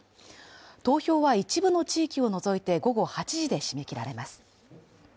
投票は一部の地域を除いて午後８時で締め切られます。